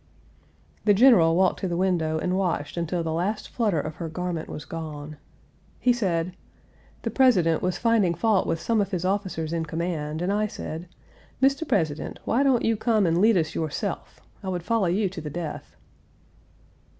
The General walked to the window and watched until the flutter of her garment was gone. He said: "The President was finding fault with some of his officers in command, and I said: 'Mr. President, why don't you come and lead us yourself; I would follow you to the death.'